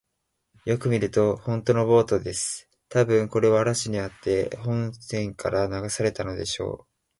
よく見ると、ほんとのボートです。たぶん、これは嵐にあって本船から流されたのでしょう。